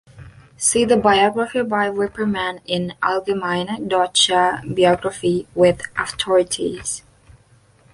See the biography by Wippermann in "Allgemeine Deutsche Biographie", with authorities.